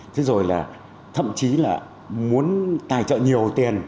thế rồi là thậm chí là muốn tài trợ nhiều tiền